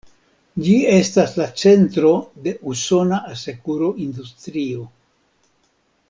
Ĝi estas la centro de usona asekuro-industrio.